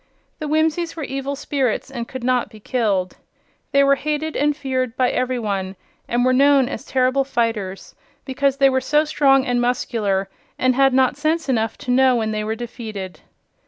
The Whimsies were evil spirits and could not be killed. They were hated and feared by every one and were known as terrible fighters because they were so strong and muscular and had not sense enough to know when they were defeated.